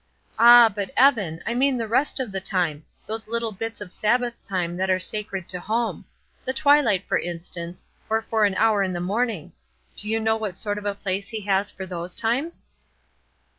"Ah, but, Evan, I mean the rest of the time; those little bits of Sabbath time that are sacred to home. The twilight, for instance, or for an hour in the morning. Do you know what sort of a place he has for those times?"